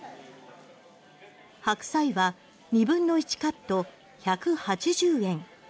ハクサイは２分の１カット１８０円。